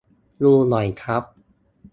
ดูหน่อยครับ